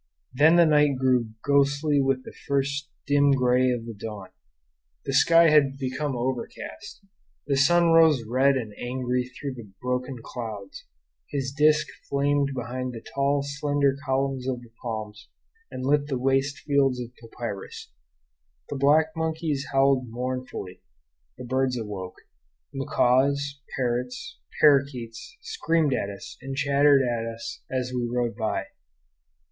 Then the night grew ghostly with the first dim gray of the dawn. The sky had become overcast. The sun rose red and angry through broken clouds; his disk flamed behind the tall, slender columns of the palms, and lit the waste fields of papyrus. The black monkeys howled mournfully. The birds awoke. Macaws, parrots, parakeets screamed at us and chattered at us as we rode by.